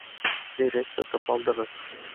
Дөрөҫ тотоп алдығыҙ